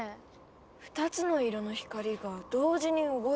２つの色の光が同時に動いてる。